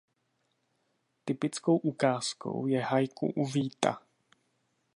Typickou ukázkou je haiku "U Víta".